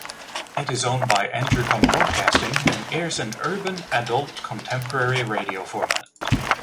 It is owned by Entercom Broadcasting and airs an urban adult contemporary radio format.